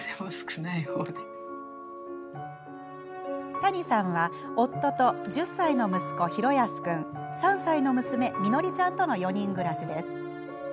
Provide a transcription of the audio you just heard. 谷さんは、夫と１０歳の息子、嘉康君３歳の娘、実乃里ちゃんとの４人暮らしです。